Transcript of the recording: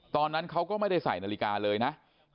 ตอนนั้นเขาก็ไม่ได้ใส่นาฬิกาเลยนะ